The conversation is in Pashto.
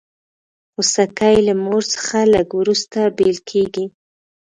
خوسکی له مور څخه لږ وروسته بېل کېږي.